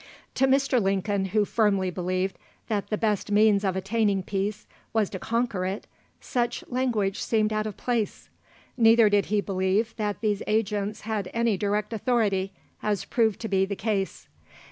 To Mr. Lincoln, who firmly believed that the best means of attaining peace was to conquer it, such language seemed out of place. Neither did he believe that these agents had any direct authority, as proved to be the case.